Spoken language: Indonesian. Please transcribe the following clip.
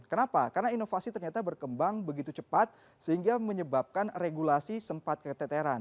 ke apa karna inovasi berkembang begitu cepatt sehingga menyebabkan regulasi lakasnya